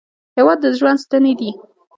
هېواد د ژوند ستنې دي.